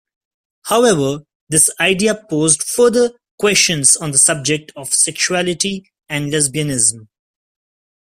However, this idea posed further questions on the subject of sexuality and lesbianism.